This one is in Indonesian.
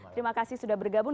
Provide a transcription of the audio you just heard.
terima kasih sudah bergabung